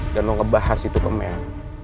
dan lo ngebahas itu ke mel